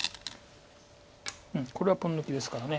これはポン抜きですから。